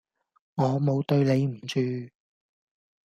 我冇對你唔住